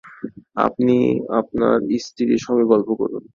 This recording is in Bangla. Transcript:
আপনি আপনার স্ত্রীর সঙ্গে গল্প করুন।